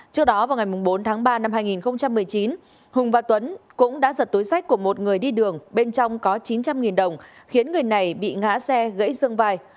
trước đó vào ngày bốn tháng ba năm hai nghìn một mươi chín hùng và tuấn cũng đã giật túi sách của một người đi đường bên trong có chín trăm linh đồng khiến người này bị ngã xe gãy xương vai